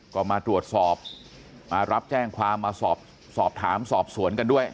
ก็มาตรวจสอบมารับแจ้งความมาสอบถามสอบสวนกันด้วย